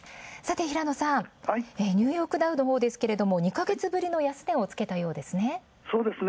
平野さん、ニューヨークダウですが２か月ぶりの安値をつけたようですね。